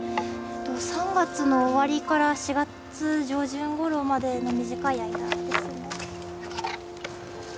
３月の終わりから４月上旬ごろまでの短い間ですね。